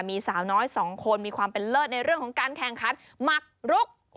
มีสาวน้อยสองคนมีความเป็นเลิศในเรื่องของการแข่งขันหมักลุก